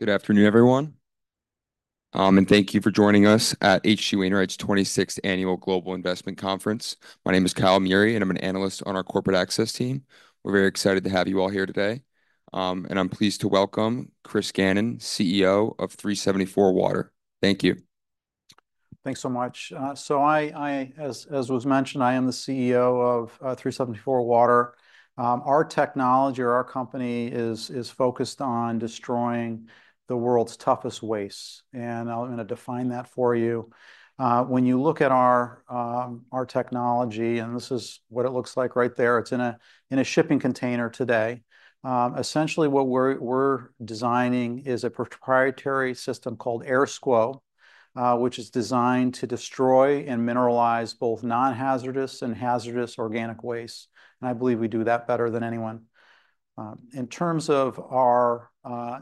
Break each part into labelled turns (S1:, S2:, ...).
S1: Good afternoon, everyone, and thank you for joining us at H.C. Wainwright's 26th Annual Global Investment Conference. My name is Kyle Meury, and I'm an analyst on our corporate access team. We're very excited to have you all here today, and I'm pleased to welcome Chris Gannon, CEO of 374Water. Thank you.
S2: Thanks so much. As was mentioned, I am the CEO of 374Water. Our technology or our company is focused on destroying the world's toughest wastes, and I'm gonna define that for you. When you look at our technology, and this is what it looks like right there, it's in a shipping container today. Essentially, what we're designing is a proprietary system called AirSCWO, which is designed to destroy and mineralize both non-hazardous and hazardous organic waste, and I believe we do that better than anyone. In terms of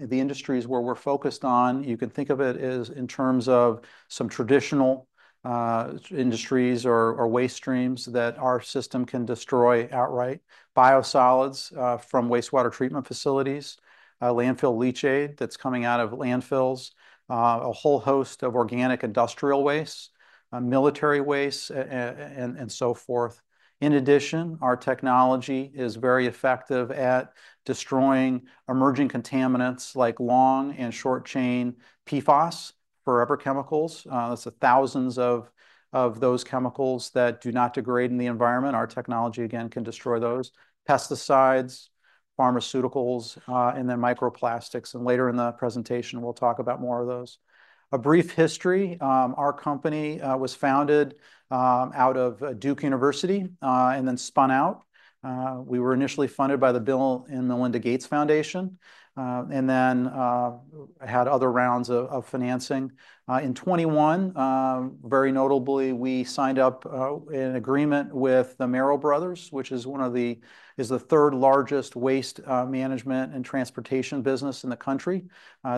S2: the industries where we're focused on, you can think of it as in terms of some traditional industries or waste streams that our system can destroy outright. Biosolids, from wastewater treatment facilities, landfill leachate that's coming out of landfills, a whole host of organic industrial waste, military waste, and so forth. In addition, our technology is very effective at destroying emerging contaminants like long and short-chain PFAS, forever chemicals. That's the thousands of those chemicals that do not degrade in the environment. Our technology, again, can destroy those. Pesticides, pharmaceuticals, and then microplastics, and later in the presentation, we'll talk about more of those. A brief history. Our company was founded out of Duke University, and then spun out. We were initially funded by the Bill and Melinda Gates Foundation, and then had other rounds of financing. In 2021, very notably, we signed up an agreement with the Merrell Brothers, which is the third largest waste management and transportation business in the country.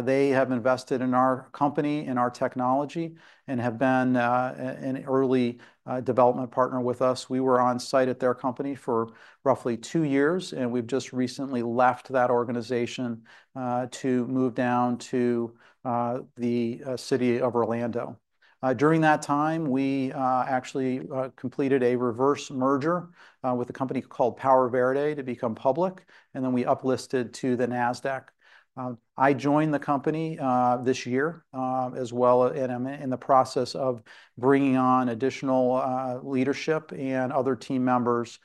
S2: They have invested in our company and our technology and have been an early development partner with us. We were on site at their company for roughly two years, and we've just recently left that organization to move down to the City of Orlando. During that time, we actually completed a reverse merger with a company called PowerVerde to become public, and then we uplisted to the Nasdaq. I joined the company this year as well, and I'm in the process of bringing on additional leadership and other team members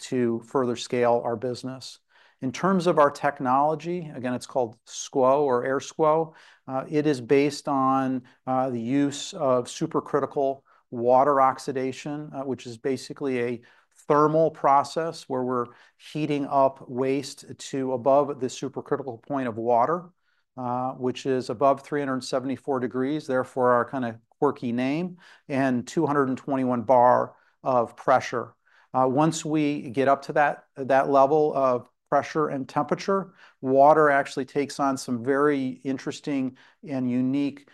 S2: to further scale our business. In terms of our technology, again, it's called SCWO or AirSCWO. It is based on the use of supercritical water oxidation, which is basically a thermal process where we're heating up waste to above the supercritical point of water, which is above three hundred and seventy-four degrees, therefore our kinda quirky name, and two hundred and twenty-one bar of pressure. Once we get up to that level of pressure and temperature, water actually takes on some very interesting and unique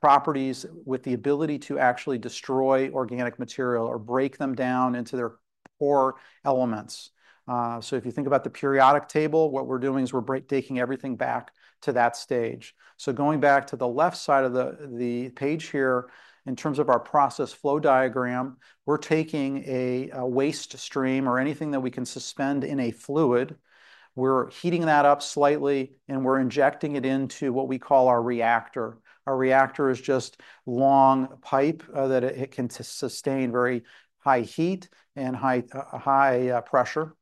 S2: properties with the ability to actually destroy organic material or break them down into their core elements. So if you think about the periodic table, what we're doing is we're taking everything back to that stage. So going back to the left side of the page here, in terms of our process flow diagram, we're taking a waste stream or anything that we can suspend in a fluid. We're heating that up slightly, and we're injecting it into what we call our reactor. A reactor is just a long pipe that it can sustain very high heat and high pressure.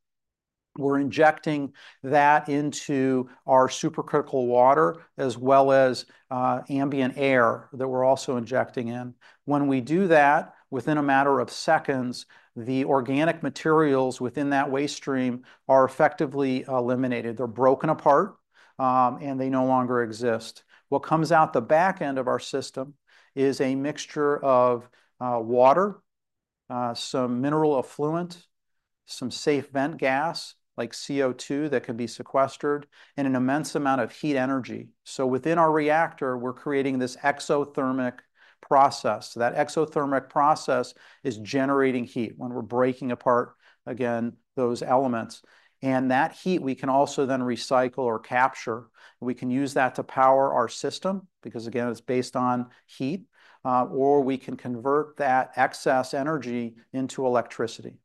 S2: We're injecting that into our supercritical water, as well as ambient air that we're also injecting in. When we do that, within a matter of seconds, the organic materials within that waste stream are effectively eliminated. They're broken apart, and they no longer exist. What comes out the back end of our system is a mixture of water, some mineral effluent, some safe vent gas, like CO2, that can be sequestered, and an immense amount of heat energy. So within our reactor, we're creating this exothermic process. That exothermic process is generating heat when we're breaking apart, again, those elements. And that heat, we can also then recycle or capture. We can use that to power our system, because, again, it's based on heat, or we can convert that excess energy into electricity.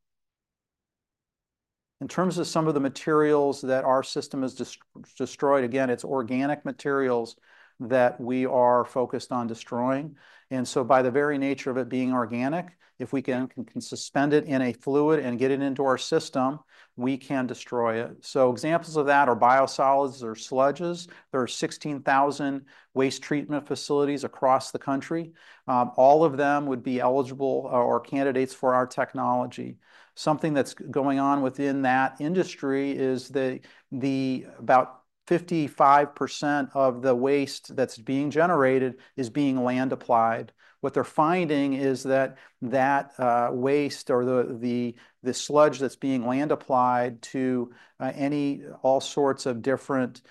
S2: In terms of some of the materials that our system has destroyed, again, it's organic materials that we are focused on destroying, and so by the very nature of it being organic, if we can suspend it in a fluid and get it into our system, we can destroy it. Examples of that are biosolids or sludges. There are 16,000 waste treatment facilities across the country. All of them would be eligible or candidates for our technology. Something that's going on within that industry is that about 55% of the waste that's being generated is being land applied. What they're finding is that waste or the sludge that's being land applied to any all sorts of different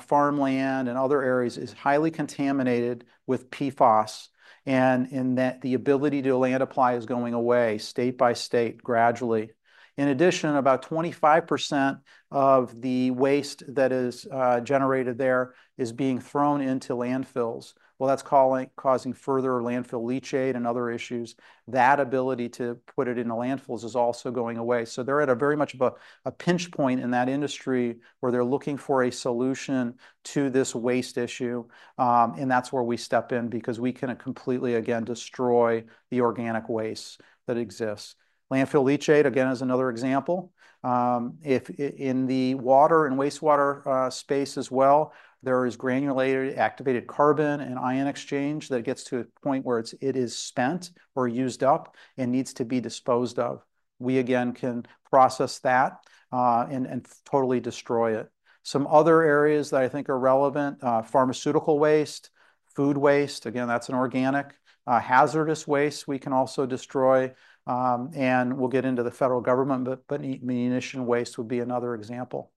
S2: farmland and other areas is highly contaminated with PFAS, and in that, the ability to land apply is going away state by state, gradually. In addition, about 25% of the waste that is generated there is being thrown into landfills. Well, that's causing further landfill leachate and other issues. That ability to put it into landfills is also going away. So they're at a very much of a pinch point in that industry, where they're looking for a solution to this waste issue. And that's where we step in, because we can completely, again, destroy the organic waste that exists. Landfill leachate, again, is another example. If in the water and wastewater space as well, there is granular activated carbon and ion exchange that gets to a point where it is spent or used up and needs to be disposed of. We again can process that and totally destroy it. Some other areas that I think are relevant: pharmaceutical waste, food waste, again, that's an organic. Hazardous waste, we can also destroy, and we'll get into the federal government, but ammunition waste would be another example.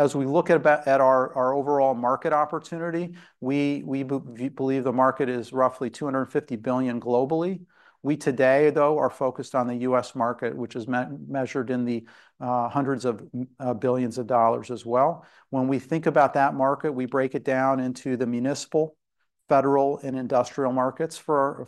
S2: As we look at our overall market opportunity, we believe the market is roughly $250 billion globally. We today, though, are focused on the U.S. market, which is measured in the hundreds of billions of dollars as well. When we think about that market, we break it down into the municipal, federal, and industrial markets for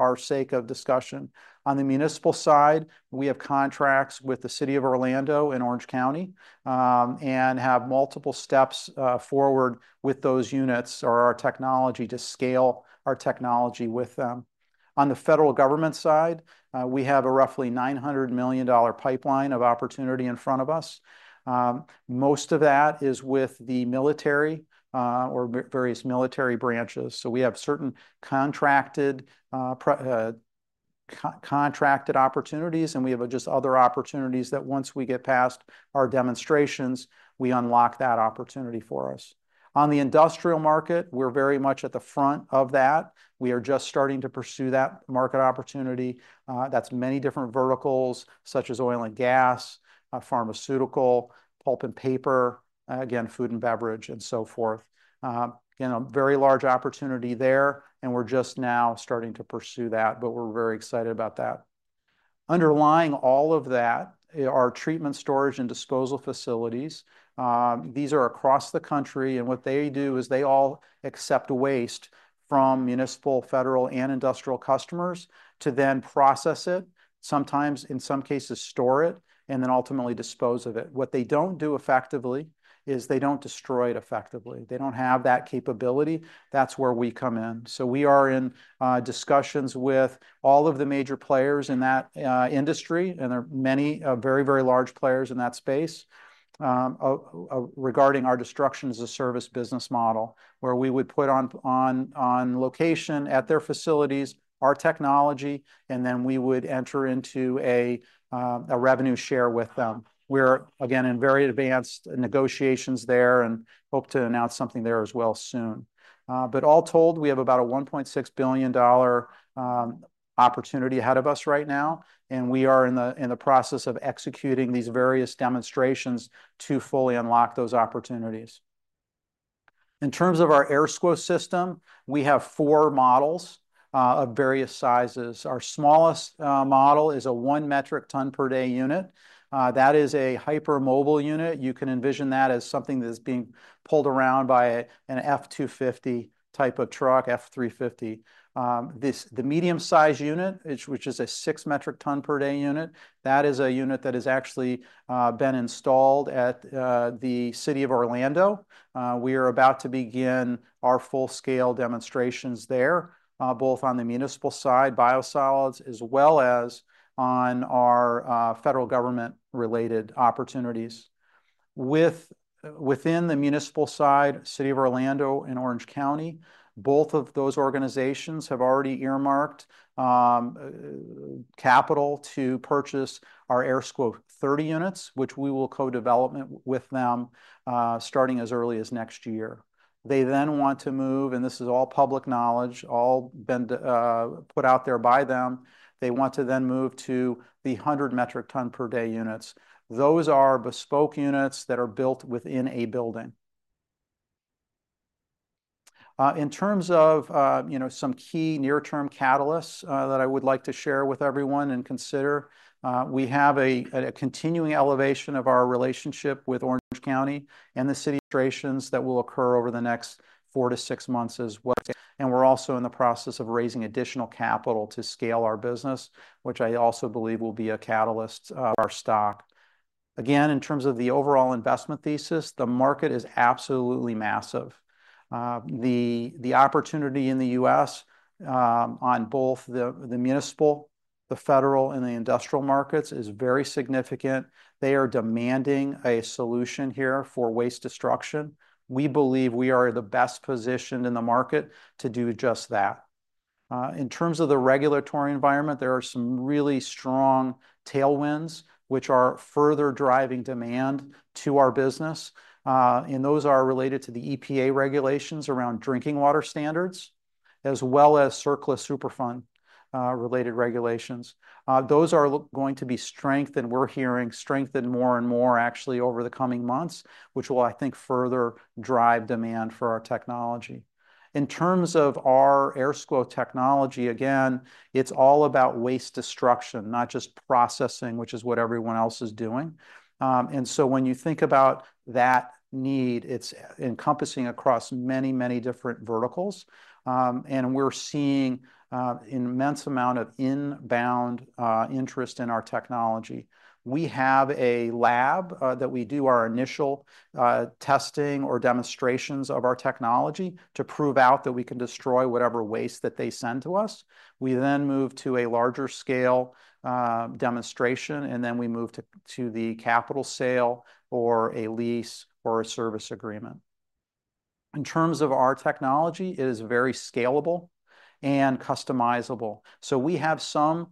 S2: our sake of discussion. On the municipal side, we have contracts with the City of Orlando in Orange County, and have multiple steps forward with those units or our technology to scale our technology with them. On the federal government side, we have a roughly $900 million pipeline of opportunity in front of us. Most of that is with the military, or various military branches. So we have certain contracted, co-contracted opportunities, and we have just other opportunities that once we get past our demonstrations, we unlock that opportunity for us. On the industrial market, we're very much at the front of that. We are just starting to pursue that market opportunity. That's many different verticals, such as oil and gas, pharmaceutical, pulp and paper, again, food and beverage, and so forth. Again, a very large opportunity there, and we're just now starting to pursue that, but we're very excited about that. Underlying all of that are treatment, storage, and disposal facilities. These are across the country, and what they do is they all accept waste from municipal, federal, and industrial customers to then process it, sometimes in some cases store it, and then ultimately dispose of it. What they don't do effectively is they don't destroy it effectively. They don't have that capability. That's where we come in. So we are in discussions with all of the major players in that industry, and there are many very, very large players in that space regarding our destruction-as-a-service business model, where we would put on location at their facilities, our technology, and then we would enter into a revenue share with them. We're again in very advanced negotiations there and hope to announce something there as well soon. But all told, we have about a $1.6 billion opportunity ahead of us right now, and we are in the process of executing these various demonstrations to fully unlock those opportunities. In terms of our AirSCWO system, we have four models of various sizes. Our smallest model is a one metric ton per day unit. That is a hypermobile unit. You can envision that as something that is being pulled around by an F-250 type of truck, F-350. The medium-size unit, which is a six metric ton per day unit, that is a unit that has actually been installed at the City of Orlando. We are about to begin our full-scale demonstrations there, both on the municipal side, biosolids, as well as on our federal government-related opportunities. Within the municipal side, City of Orlando and Orange County, both of those organizations have already earmarked capital to purchase our AirSCWO 30 units, which we will co-development with them, starting as early as next year. They then want to move, and this is all public knowledge, all been put out there by them. They want to then move to the 100 metric ton per day units. Those are bespoke units that are built within a building. In terms of, you know, some key near-term catalysts that I would like to share with everyone and consider, we have a continuing elevation of our relationship with Orange County and the city situations that will occur over the next 4-6 months as well, and we're also in the process of raising additional capital to scale our business, which I also believe will be a catalyst of our stock. Again, in terms of the overall investment thesis, the market is absolutely massive. The opportunity in the U.S., on both the municipal, the federal, and the industrial markets, is very significant. They are demanding a solution here for waste destruction. We believe we are the best positioned in the market to do just that. In terms of the regulatory environment, there are some really strong tailwinds which are further driving demand to our business, and those are related to the EPA regulations around drinking water standards, as well as CERCLA Superfund related regulations. Those are going to be strengthened, we're hearing more and more actually over the coming months, which will, I think, further drive demand for our technology. In terms of our AirSCWO technology, again, it's all about waste destruction, not just processing, which is what everyone else is doing. When you think about that need, it's encompassing across many, many different verticals. We're seeing immense amount of inbound interest in our technology. We have a lab that we do our initial testing or demonstrations of our technology to prove out that we can destroy whatever waste that they send to us. We then move to a larger scale demonstration, and then we move to the capital sale or a lease or a service agreement. In terms of our technology, it is very scalable and customizable. So we have some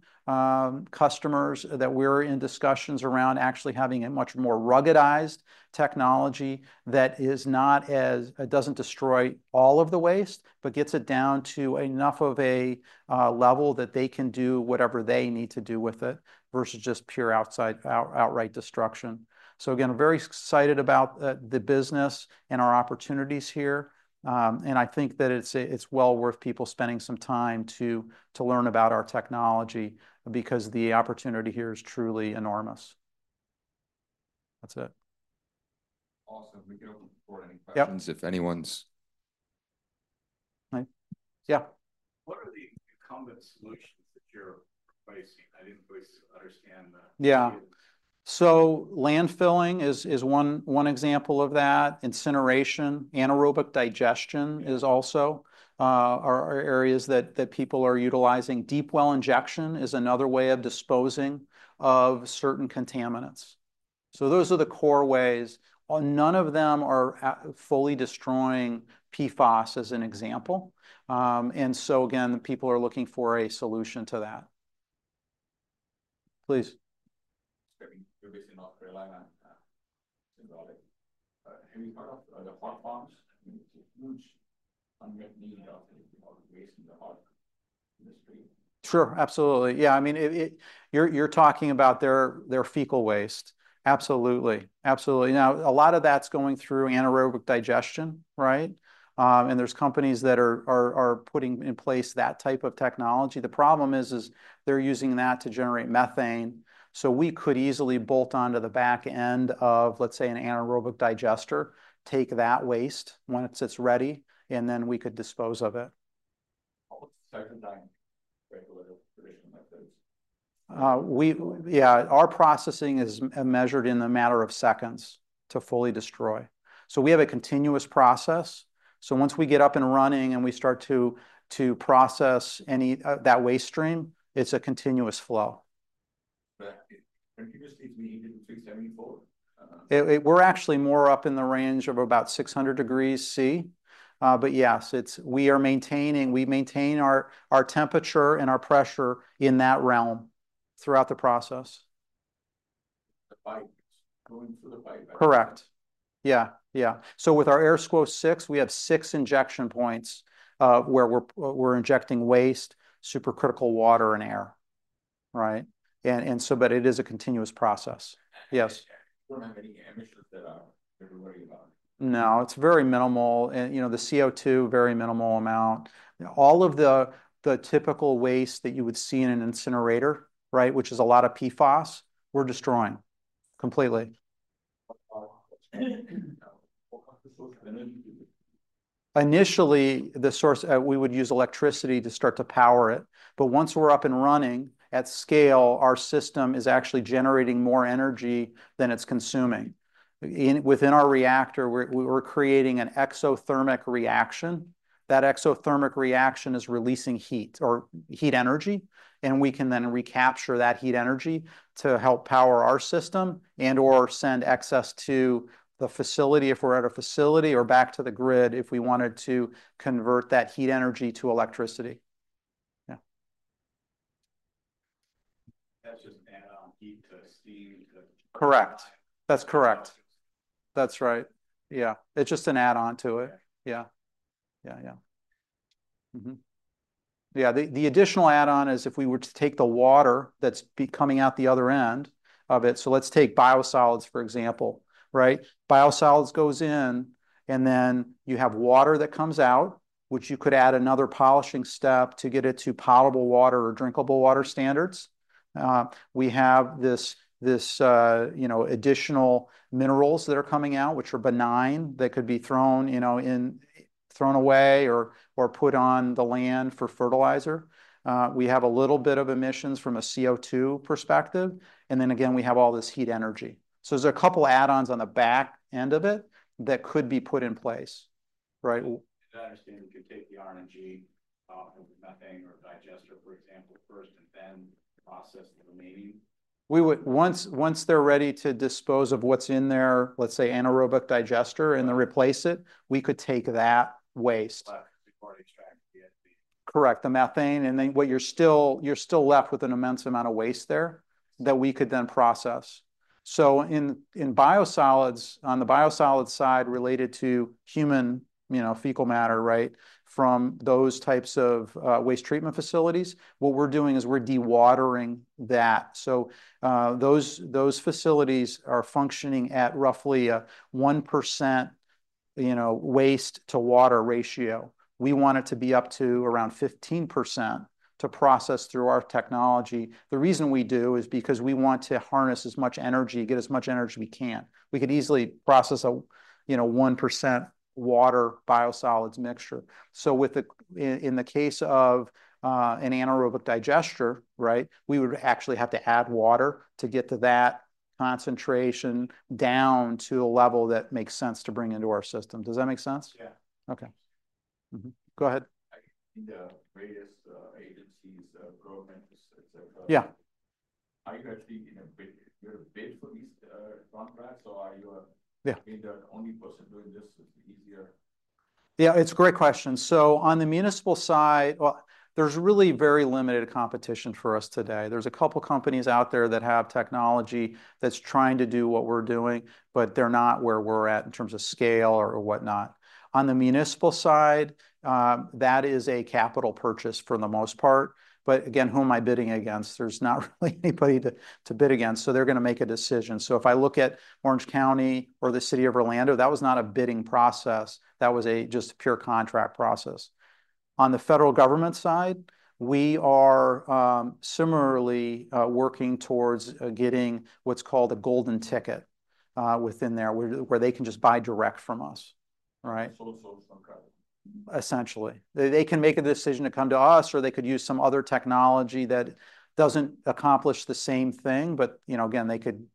S2: customers that we're in discussions around actually having a much more ruggedized technology that is not as, it doesn't destroy all of the waste, but gets it down to enough of a level that they can do whatever they need to do with it, versus just pure outright destruction. So again, very excited about the business and our opportunities here, and I think that it's well worth people spending some time to learn about our technology, because the opportunity here is truly enormous. That's it.
S1: Awesome. We can open the floor for any questions-
S2: Yep.
S1: -if anyone's...
S2: Right. Yeah?
S3: What are the incumbent solutions that you're facing? I didn't quite understand the-
S2: Yeah. So landfilling is one example of that, incineration, anaerobic digestion is also are areas that people are utilizing. Deep well injection is another way of disposing of certain contaminants. So those are the core ways, none of them are fully destroying PFAS as an example. And so again, people are looking for a solution to that. Please.
S3: Sorry. You're basically not relying on symbolic. Have you heard of the hog farms? It's a huge unmet need of waste in the hog industry.
S2: Sure, absolutely. Yeah, I mean, it-- you're talking about their fecal waste. Absolutely. Now, a lot of that's going through anaerobic digestion, right? And there's companies that are putting in place that type of technology. The problem is, they're using that to generate methane. So we could easily bolt onto the back end of, let's say, an anaerobic digester, take that waste once it's ready, and then we could dispose of it.
S3: How does second time regulatory traditional methods?
S2: Our processing is measured in a matter of seconds to fully destroy. So we have a continuous process. So once we get up and running and we start to process any that waste stream, it's a continuous flow.
S3: But don't you just need to be in two seventy-four?
S2: We're actually more up in the range of about 600 degrees Celsius, but yes, we maintain our temperature and our pressure in that realm throughout the process.
S3: The pipe, going through the pipe.
S2: Correct. Yeah, yeah. So with our AirSCWO 6, we have six injection points where we're injecting waste, supercritical water and air, right? And so but it is a continuous process. Yes.
S3: We don't have any emissions that I have to worry about?
S2: No, it's very minimal, and, you know, the CO2, very minimal amount. All of the typical waste that you would see in an incinerator, right, which is a lot of PFAS, we're destroying completely.
S3: What about the source of energy?
S2: Initially, the source, we would use electricity to start to power it, but once we're up and running at scale, our system is actually generating more energy than it's consuming. Within our reactor, we're creating an exothermic reaction. That exothermic reaction is releasing heat or heat energy, and we can then recapture that heat energy to help power our system and/or send excess to the facility if we're at a facility, or back to the grid, if we wanted to convert that heat energy to electricity. Yeah.
S3: That's just add-on heat to steam to-
S2: Correct. That's correct.
S3: That's it.
S2: That's right. Yeah, it's just an add-on to it.
S3: Yeah.
S2: Yeah. Mm-hmm. Yeah, the additional add-on is if we were to take the water that's coming out the other end of it. So let's take biosolids, for example, right? Biosolids goes in, and then you have water that comes out, which you could add another polishing step to get it to potable water or drinkable water standards. We have this you know, additional minerals that are coming out, which are benign, that could be thrown, you know, thrown away or put on the land for fertilizer. We have a little bit of emissions from a CO₂ perspective, and then again, we have all this heat energy. So there's a couple of add-ons on the back end of it that could be put in place, right?
S3: I understand we could take the RNG, methane or digester, for example, first and then process the remaining.
S2: Once they're ready to dispose of what's in their, let's say, anaerobic digester and then replace it, we could take that waste.
S3: Left, the remaining waste....
S2: Correct, the methane, and then what you're still left with an immense amount of waste there that we could then process. So in biosolids, on the biosolids side related to human, you know, fecal matter, right, from those types of waste treatment facilities, what we're doing is we're dewatering that. So those facilities are functioning at roughly a 1%, you know, waste to water ratio. We want it to be up to around 15% to process through our technology. The reason we do is because we want to harness as much energy, get as much energy we can. We could easily process a, you know, 1% water biosolids mixture. In the case of an anaerobic digester, right, we would actually have to add water to get to that concentration down to a level that makes sense to bring into our system. Does that make sense?
S3: Yeah.
S2: Okay. Mm-hmm. Go ahead.
S3: In the various agencies, programs, et cetera.
S2: Yeah.
S3: Are you actually in a bid, you're a bid for these contracts, or are you?
S2: Yeah
S3: The only person doing this, it's easier?
S2: Yeah, it's a great question. So on the municipal side, well, there's really very limited competition for us today. There's a couple companies out there that have technology that's trying to do what we're doing, but they're not where we're at in terms of scale or whatnot. On the municipal side, that is a capital purchase for the most part. But again, who am I bidding against? There's not really anybody to bid against, so they're gonna make a decision. So if I look at Orange County or the City of Orlando, that was not a bidding process, that was a just pure contract process. On the federal government side, we are similarly working towards getting what's called a golden ticket within there, where they can just buy direct from us. All right?
S3: Full, full contract.
S2: Essentially, they can make a decision to come to us, or they could use some other technology that doesn't accomplish the same thing, but, you know, again, they could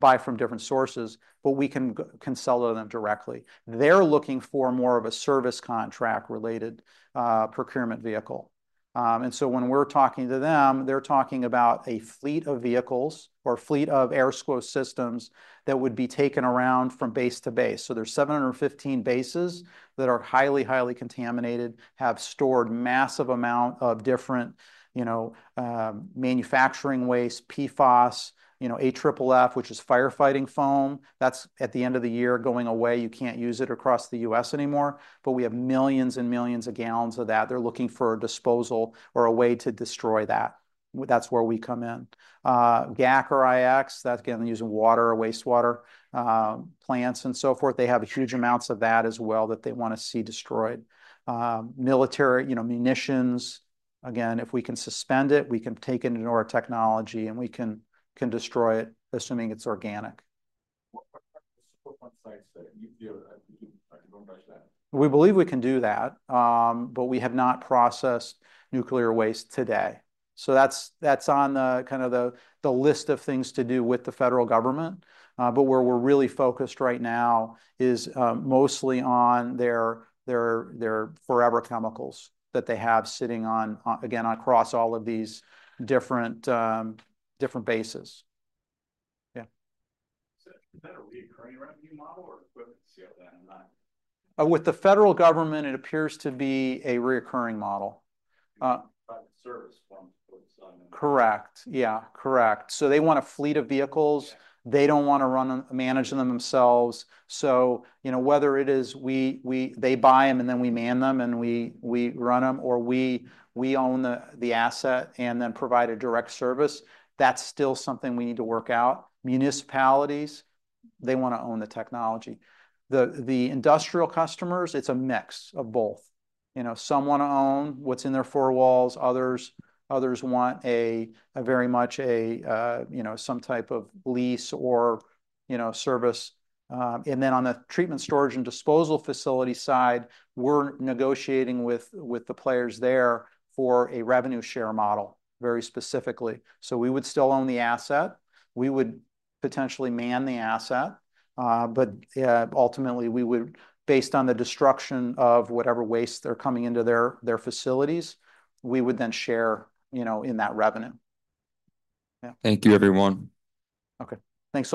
S2: buy from different sources, but we can consult with them directly. They're looking for more of a service contract related procurement vehicle. And so when we're talking to them, they're talking about a fleet of vehicles or fleet of AirSCWO systems that would be taken around from base to base. So there's 715 bases that are highly contaminated, have stored massive amount of different, you know, manufacturing waste, PFOS, you know, AFFF, which is firefighting foam. That's at the end of the year going away, you can't use it across the US anymore, but we have millions and millions of gallons of that. They're looking for a disposal or a way to destroy that. That's where we come in. GAC or IX, that's again, using water or wastewater, plants and so forth. They have huge amounts of that as well that they want to see destroyed. Military, you know, munitions, again, if we can suspend it, we can take it into our technology, and we can destroy it, assuming it's organic.
S3: What about the support sites, nuclear, you can accomplish that?
S2: We believe we can do that, but we have not processed nuclear waste today. So that's on the list of things to do with the federal government. But where we're really focused right now is mostly on their forever chemicals that they have sitting on, again, across all of these different bases. Yeah.
S3: Is that a recurring revenue model or equipment sale, then not?
S2: With the federal government, it appears to be a recurring model.
S3: Private service forms for the sign-in.
S2: Correct. Yeah, correct. So they want a fleet of vehicles.
S3: Yeah.
S2: They don't want to run and manage them themselves, so you know, whether it is they buy them, and then we man them, and we run them, or we own the asset and then provide a direct service, that's still something we need to work out. Municipalities, they want to own the technology. The industrial customers, it's a mix of both. You know, some want to own what's in their four walls, others want a very much a you know, some type of lease or, you know, service, and then on the treatment, storage, and disposal facility side, we're negotiating with the players there for a revenue share model, very specifically, so we would still own the asset. We would potentially man the asset, but, yeah, ultimately, we would, based on the destruction of whatever waste are coming into their facilities, we would then share, you know, in that revenue. Yeah.
S1: Thank you, everyone.
S2: Okay. Thanks.